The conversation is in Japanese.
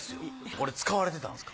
これ使われてたんですか？